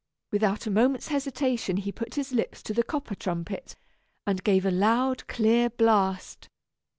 Without a moment's hesitation he put his lips to the copper trumpet, and gave a loud, clear blast.